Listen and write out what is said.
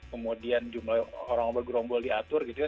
kemudian jumlah orang bergerombol diatur gitu ya